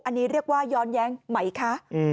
อันนี้เรียกว่าย้อนแย้งไหมคะ